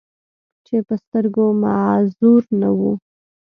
چې پۀ سترګو معذور نۀ وو،